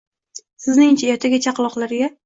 Sizningcha, ertaga chaqaloqlarga